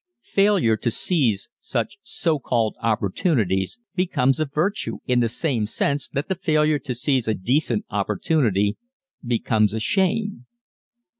Failure to seize such so called opportunities becomes a virtue in the same sense that the failure to seize a decent opportunity becomes a shame.